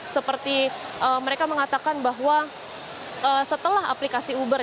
seperti mereka mengatakan bahwa setelah aplikasi uber